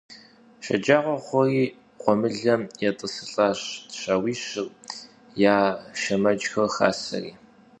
Şşecağue xhuri, ğuemılem yêt'ısılh'aş şauişır, ya şşemecxer xaseri.